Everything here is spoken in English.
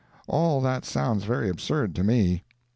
All that sounds very absurd to me.